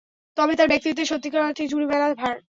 তবে তার ব্যক্তিত্বের সত্যিকার অর্থেই জুড়ি মেলা ভার!